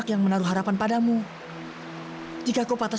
tangkap kibuyut banyu biru hidup hidup